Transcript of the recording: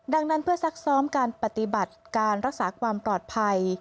ดังนั้นเพื่อซักซ้อมการปฏิบัติการรักษาความปลอดภัย